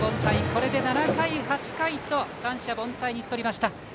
これで７回、８回と三者凡退に打ち取りました。